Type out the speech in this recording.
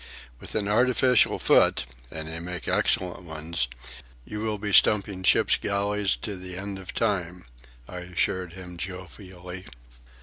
"With an artificial foot—and they make excellent ones—you will be stumping ships' galleys to the end of time," I assured him jovially.